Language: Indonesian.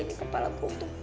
ini kepala gue untuk